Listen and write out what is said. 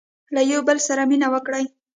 • له یوه بل سره مینه وکړئ.